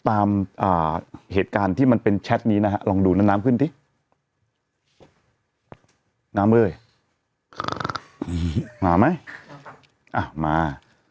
อ่าเหตุการณ์ที่มันเป็นแชทนี้นะฮะลองดูน้ำน้ำขึ้นสิน้ำเอ้ยนี่มาไหมอ่ะมา